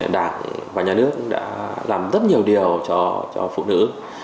đảng và nhà nước đã làm rất nhiều điều cho phụ nữ